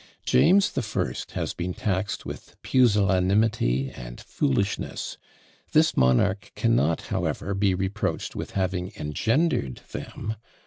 James the First has been taxed with pusillanimity and foolishness; this monarch cannot, however, be reproached with having engendered them!